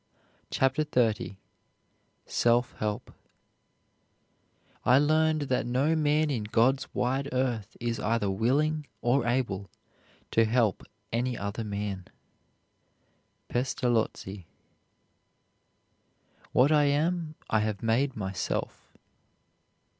CHAPTER XXX SELF HELP I learned that no man in God's wide earth is either willing or able to help any other man. PESTALOZZI. What I am I have made myself.